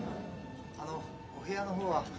あのお部屋の方は。